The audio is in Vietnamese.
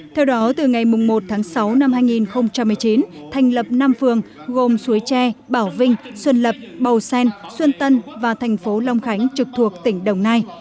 theo đó từ ngày một tháng sáu năm hai nghìn một mươi chín thành lập năm phường gồm suối tre bảo vinh xuân lập bầu sen xuân tân và thành phố long khánh trực thuộc tỉnh đồng nai